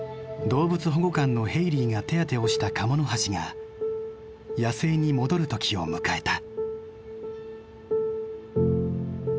動物保護官のヘイリーが手当てをしたカモノハシが野生に戻る時を迎えた。